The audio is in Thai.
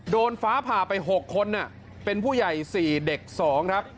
โดนฟ้าผ่าไป๖คนเป็นผู้ใหญ่๔เด็ก๒ครับ